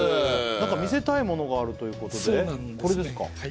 何か見せたいものがあるということでこれですか？